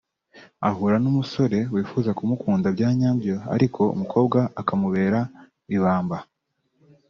ahura n’umusore wifuza kumukunda bya nyabyo ariko umukobwa akammubera ibamba